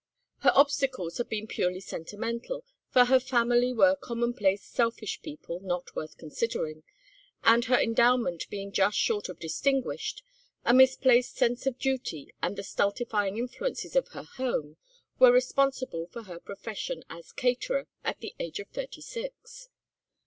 Her obstacles had been purely sentimental, for her family were commonplace selfish people not worth considering, and, her endowment being just short of distinguished, a misplaced sense of duty and the stultifying influences of her home were responsible for her profession as caterer at the age of thirty six.